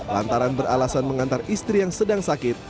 lantaran beralasan mengantar istri yang sedang sakit